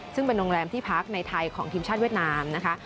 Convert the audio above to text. ซึ่งเป็นโรงแรมที่พักในไทยของทีมชาติเวียดนามนะคะ